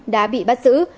đã bị bắt giữ